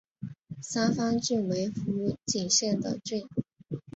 三方郡为福井县的郡。